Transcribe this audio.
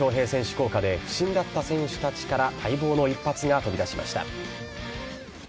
効果で不振だった選手たちから待望の一発が飛び出しました。